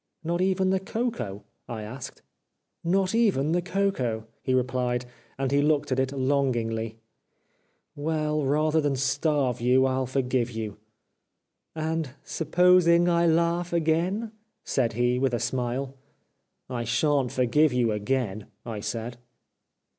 " Not even the cocoa ?" I asked. ''Not even the cocoa," he replied; and he looked at it longingly. 395 The Life of Oscar Wilde ^'Well, rather than starve you, I'll forgive you." " And supposing I laugh again ?" said he, with a smile. '' I sha'n't forgive you again," I said.